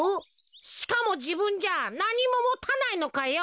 しかもじぶんじゃなにももたないのかよ。